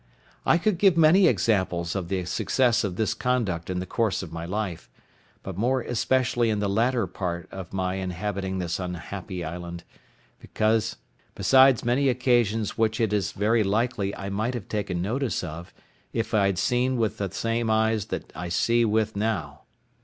I could give many examples of the success of this conduct in the course of my life, but more especially in the latter part of my inhabiting this unhappy island; besides many occasions which it is very likely I might have taken notice of, if I had seen with the same eyes then that I see with now.